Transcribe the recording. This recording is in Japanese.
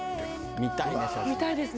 見たいですね。